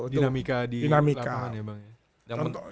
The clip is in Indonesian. dinamika di lapangan ya bang ya